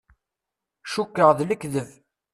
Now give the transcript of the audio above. Cukkeɣ d lekdeb.